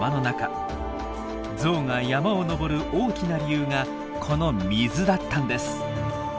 ゾウが山を登る大きな理由がこの水だったんです。